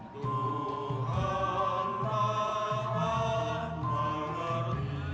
tuhan rakyat melalui